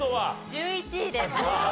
１１位です。